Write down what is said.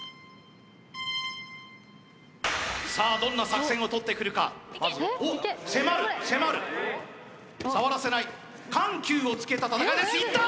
さあどんな作戦をとってくるかまずおっ迫る迫る触らせない緩急をつけた戦いですいった！